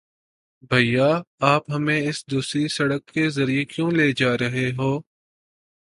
بھیا، آپ ہمیں اس دوسری سڑک کے ذریعے کیوں لے جا رہے ہو؟